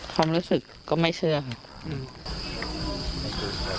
ความรู้สึกก็ไม่เชื่อค่ะ